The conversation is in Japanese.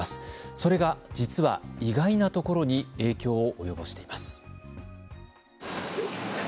それが実は意外なところに影響を及ぼしています。